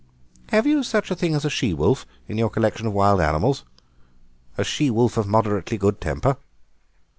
"Have you such a thing as a she wolf in your collection of wild animals? A she wolf of moderately good temper?"